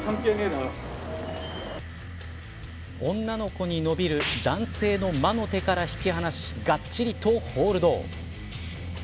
女の子に伸びる男性の魔の手から引き離しがっちりとホールド。